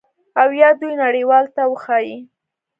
او یا دوی نړیوالو ته وښایي